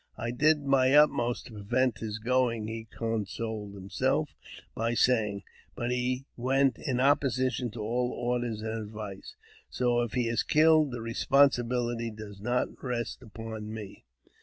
"I did my utmost to prevent his going,"" he consoled himself by saying, " but he went in opposition to all orders and advice ; so if he is killed, the responsibility does not rest upon me."